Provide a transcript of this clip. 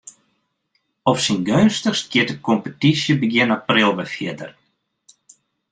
Op syn geunstichst giet de kompetysje begjin april wer fierder.